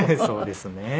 そうですね。